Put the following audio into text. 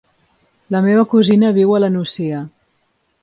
La meva cosina viu a la Nucia.